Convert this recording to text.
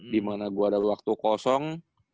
dimana gue ada waktu kosong